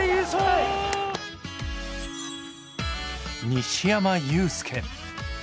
西山雄介。